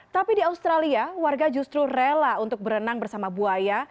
tapi di australia warga justru rela untuk berenang bersama buaya